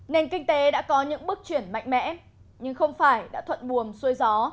nền kinh tế đã có những bước chuyển mạnh mẽ nhưng không phải đã thuận buồm xuôi gió